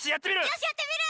よしやってみる。